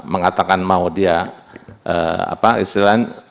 mengatakan mau dia apa istilahnya